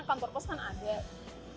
kantor pos kan ada